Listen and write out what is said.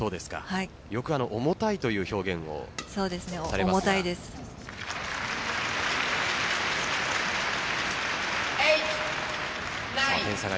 よく重たいという表現をされますが。